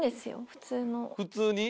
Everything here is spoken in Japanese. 普通に？